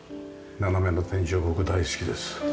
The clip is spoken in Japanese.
斜めの天井僕大好きです。